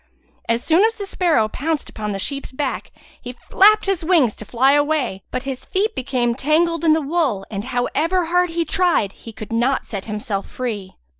As soon as the sparrow pounced upon the sheep's back he flapped his wings to fly away, but his feet became tangled in the wool and, however hard he tried, he could not set himself free.